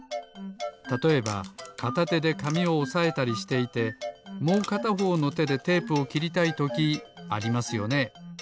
たとえばかたてでかみをおさえたりしていてもうかたほうのてでテープをきりたいときありますよね。